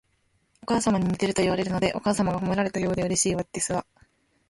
お母様に似ているといわれるので、お母様が褒められたようでうれしいですわ